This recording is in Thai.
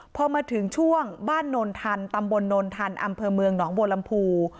พอมาถึงช่วงบ้านนนทันตำบลนนทันอำเภอเมืองหนองบัวลำพู